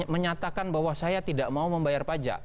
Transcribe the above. menyatakan bahwa saya tidak mau membayar pajak